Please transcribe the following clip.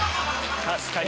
確かに。